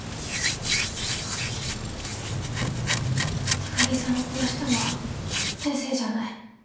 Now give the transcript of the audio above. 高城さんを殺したのは先生じゃない。